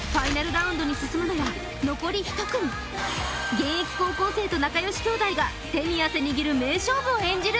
現役高校生と仲良し兄弟が手に汗握る名勝負を演じる